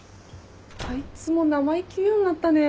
あいつも生意気言うようになったね。